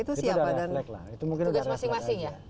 itu udah reflect lah itu mungkin ganda campuran